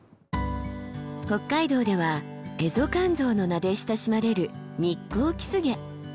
北海道ではエゾカンゾウの名で親しまれるニッコウキスゲ。